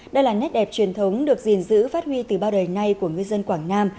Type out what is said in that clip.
đây là nét đẹp truyền thống được gìn giữ phát huy từ bao đời nay của ngư dân quảng nam